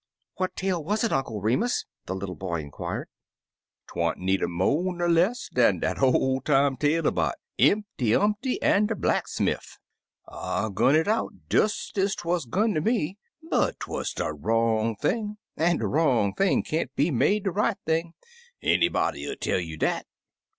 "What tale was it, Uncle Remus?" the iittle boy inquired. " Twant needer mo' ner less dan dat ol* time tale 'bout *Impty Umpty an' de Black smiff .' I gun it out des ez 'twuz gun ter me, but 'twuz de wrong thing — an' de wrong thing can't be made de right thing. Any body'll tell you dat."